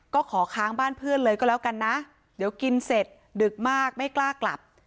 ก็ขอค้างบ้านเพื่อนเลยก็แล้วกันนะเดี๋ยวกินเสร็จดึกมากไม่กล้ากลับ